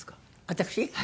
私？